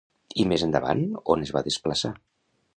I més endavant, on es va desplaçar?